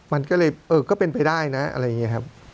มันก็เป็นไปได้นะอะไรอย่างเงี้ยครับ